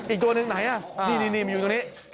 อีกตัวหนึ่งไหนนี่มีตัวนี้